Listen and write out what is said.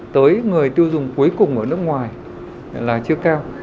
tới người tiêu dùng cuối cùng ở nước ngoài là chưa cao